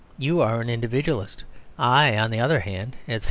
You are an Individualist; I, on the other hand," etc.